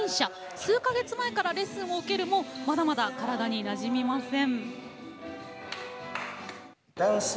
数か月前からレッスンを受けるもまだまだ体に、なじみません。